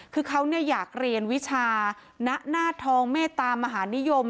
คือเขาอยากเรียนวิชาณหน้าทองเมตตามหานิยม